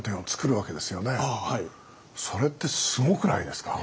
それってすごくないですか。